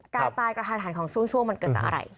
การตายกระทันหันของสู้ช่วงมันเกิดจากอะไร